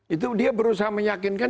itu dia berusaha meyakinkan